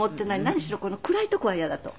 何しろ暗い所は嫌だと。